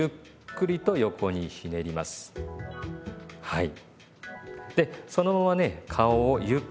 はい。